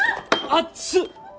熱っ！